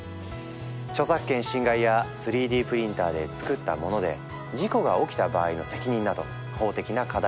著作権侵害や３Ｄプリンターでつくったモノで事故が起きた場合の責任など法的な課題もある。